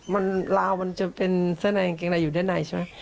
มันลาวมันจะเป็นเสื้อในกางเกงในอยู่ด้านในใช่ไหม